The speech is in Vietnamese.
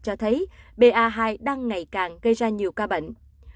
cho thấy ba hai đang ngày càng gây ra nhiều ca bệnh